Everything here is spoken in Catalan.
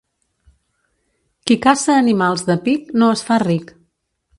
Qui caça animals de pic no es fa ric.